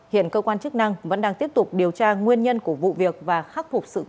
hiện cơ quan chức năng vẫn đang tiếp tục điều tra nguyên nhân của vụ việc và khắc phục sự cố